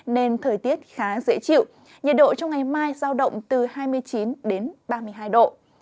nên thời tiết khá dễ chịu nhiệt độ trong ngày mai giao động từ hai mươi chín đến ba mươi hai độ